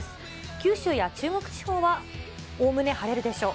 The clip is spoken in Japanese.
九州や中国地方はおおむね晴れるでしょう。